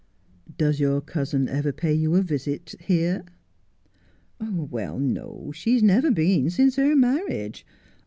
;' Does your cousin ever pay you a visit here 1 '' Well, no, she's never been since her marriage.